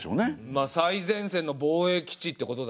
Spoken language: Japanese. まっ最前線の防衛基地ってことだね。